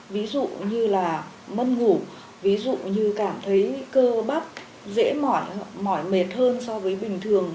ví dụ như là mân ngủ ví dụ như cảm thấy cơ bắp dễ mỏi mỏi mệt hơn so với bình thường